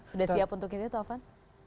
sudah siap untuk itu taufan